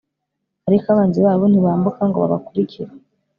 ariko abanzi babo ntibambuka ngo babakurikire